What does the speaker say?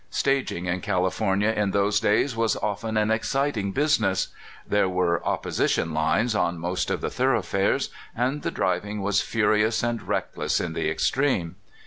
Stag ing in CaHfornia in those days was often an excit ing business. There were opposition " lines on most of the thoroughfares, and the driving was furious and reckless in the extreme.